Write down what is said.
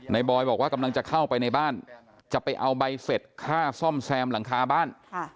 บอยบอกว่ากำลังจะเข้าไปในบ้านจะไปเอาใบเสร็จค่าซ่อมแซมหลังคาบ้าน